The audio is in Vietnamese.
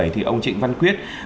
thì ông trịnh văn quyết